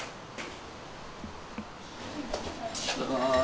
おはようございます。